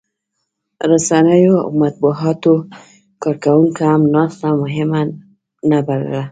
رسنیو او د مطبوعاتو کارکوونکو هم ناسته مهمه نه بلله